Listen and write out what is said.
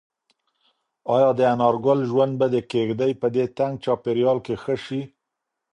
ایا د انارګل ژوند به د کيږدۍ په دې تنګ چاپیریال کې ښه شي؟